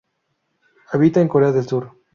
Habita en Corea del sur.